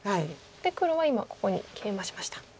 黒は今ここにケイマしました。